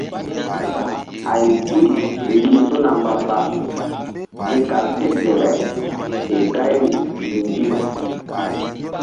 Hay guy rih su̧na mbamba ke kal ké gelay ke gayri ŋgi̧-ŋgi̧.